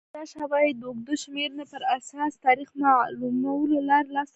دا شواهد د اوږدې شمېرنې پر اساس د تاریخ معلومولو له لارې لاسته راغلي